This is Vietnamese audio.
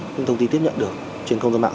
những thông tin tiếp nhận được trên không gian mạng